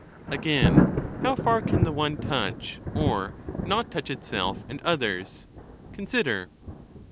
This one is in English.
Again, how far can the one touch or not touch itself and Again, the others ? COnsider.